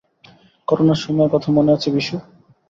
করোনার সময়ের কথা মনে আছে, বিশু?